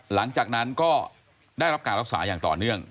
หลังจากนั้นก็ได้รับการรักษาอย่างต่อเนื่อง